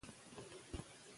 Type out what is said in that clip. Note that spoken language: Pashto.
یو بل زغمئ.